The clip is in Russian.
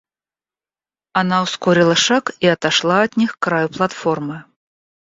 Она ускорила шаг и отошла от них к краю платформы.